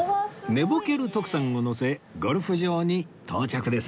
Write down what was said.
寝ぼける徳さんを乗せゴルフ場に到着です